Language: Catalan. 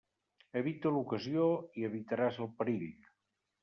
Evita l'ocasió i evitaràs el perill.